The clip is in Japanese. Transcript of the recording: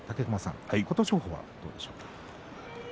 琴勝峰はどうでしたか。